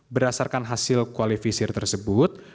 berdasarkan hasil qualifisir tersebut